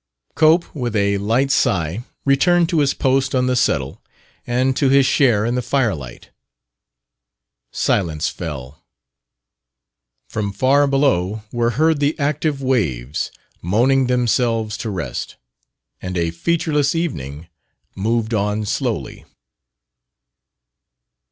Cope, with a light sigh, returned to his post on the settle and to his share in the firelight. Silence fell. From far below were heard the active waves, moaning themselves to rest. And a featureless evening moved on slowly.